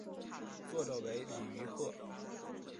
作者为李愚赫。